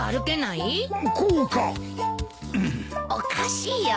おかしいよ。